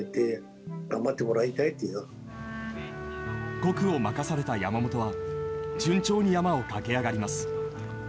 ５区を任された山本は順調に山を駆け上がります。